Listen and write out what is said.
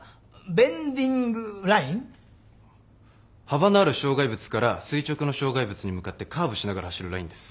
幅のある障害物から垂直の障害物に向かってカーブしながら走るラインです。